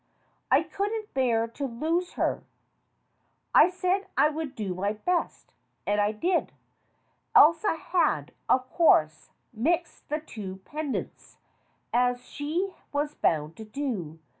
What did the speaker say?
I couldn't bear to lose her." I said I would do my best, and I did. Elsa had, of course, mixed the two pendants, as she was bound to do.